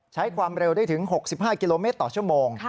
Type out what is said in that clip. ใช้ความเร็วได้ถึง๖๕กิโลเมตรต่อชั่วโมง